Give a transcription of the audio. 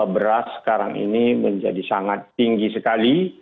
beras sekarang ini menjadi sangat tinggi sekali